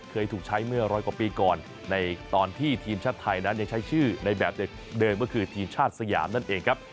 เคยถูกใช้เมื่อร้อยกว่าปีก่อนในตอนที่ทีมชาติไทยนั้นยังใช้ชื่อในแบบเดิมก็คือทีมชาติสยามนั่นเองครับ